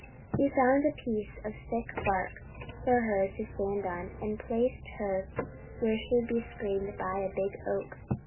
He found a piece of thick bark for her to stand on, and placed her where she would be screened by a big oak.